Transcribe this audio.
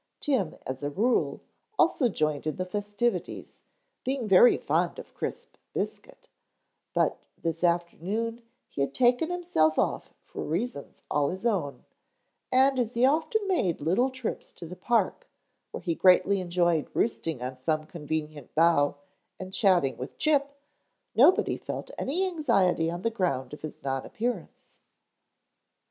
Tim, as a rule, also joined in the festivities, being very fond of crisp biscuit, but this afternoon he had taken himself off for reasons all his own, and as he often made little trips to the park where he greatly enjoyed roosting on some convenient bough and chatting with Chip nobody felt any anxiety on the ground of his non appearance.